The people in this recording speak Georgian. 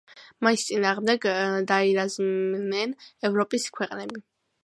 მის წინააღმდეგ დაირაზმნენ ევროპის ქვეყნები.